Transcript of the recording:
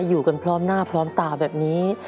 อยู่กันพร้อมหน้าพร้อมตาแบบนี้